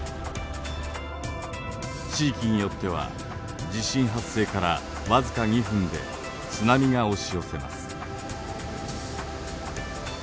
地域によっては地震発生から僅か２分で津波が押し寄せます。